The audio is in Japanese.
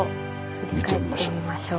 見てみましょう。